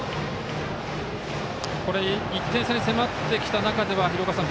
１点差に迫ってきた中では廣岡さん